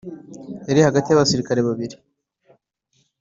Yari hagati y’abasirikare babiri